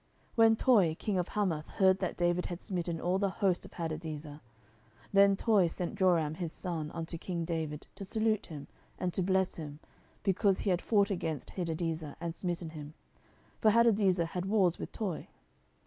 10:008:009 When Toi king of Hamath heard that David had smitten all the host of Hadadezer, 10:008:010 Then Toi sent Joram his son unto king David, to salute him, and to bless him, because he had fought against Hadadezer, and smitten him: for Hadadezer had wars with Toi.